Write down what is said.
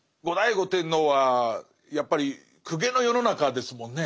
後醍醐天皇はやっぱり公家の世の中ですもんね。